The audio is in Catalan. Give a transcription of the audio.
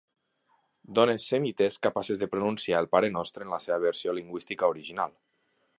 Dones semites capaces de pronunciar el parenostre en la seva versió lingüística original.